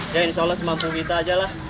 ya insya allah semampu kita aja lah